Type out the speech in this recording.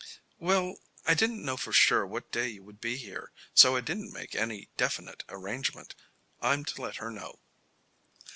"Well, I didn't know for sure what day you would be here, so I didn't make any definite arrangement. I'm to let her know."